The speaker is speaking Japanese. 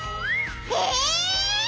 え！？